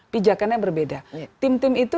pijakannya berbeda tim tim itu